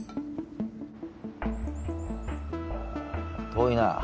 遠いな。